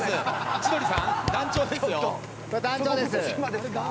千鳥さん、団長ですよ。